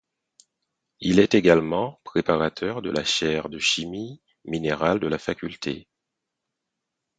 Il est également préparateur de la chaire de chimie minérale de la faculté.